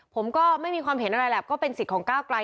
ผมก็ไม่มีความเห็นอะไรแหละก็เป็นสิทธิ์ของก้าวไกล